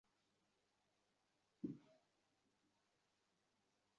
প্রয়োজনের জন্য তো অবশ্যই, স্টাইলের জন্যও অনেকে নানা নকশার চশমা বেছে নেন।